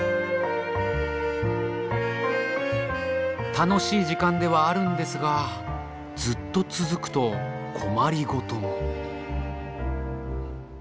楽しい時間ではあるんですがずっと続くと困り事も。